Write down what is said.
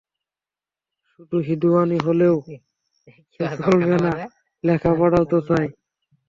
শুধু হিঁদুয়ানি হলেও তো চলবে না– লেখা-পড়াও তো চাই!